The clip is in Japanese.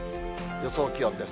予想気温です。